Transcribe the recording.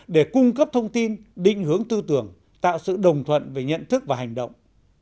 để cung cấp thông tin định hướng tư tưởng tạo sự đồng thuận về nhận thức và hành động